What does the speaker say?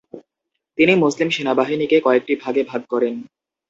তিনি মুসলিম সেনাবাহিনীকে কয়েকটি ভাগে ভাগ করেন।